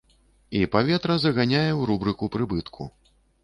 І паветра заганяе ў рубрыку прыбытку.